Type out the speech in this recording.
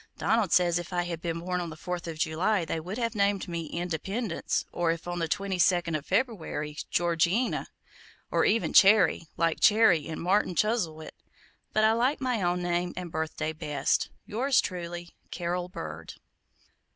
Donald says if I had been born on the Fourth of July they would have named me 'Independence,' or if on the twenty second of February, 'Georgina,' or even 'Cherry,' like Cherry in Martin Chuzzlewit; but I like my own name and birthday best. Yours truly, CAROL BIRD."